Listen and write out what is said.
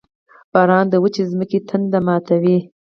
• باران د وچې ځمکې تنده ماتوي.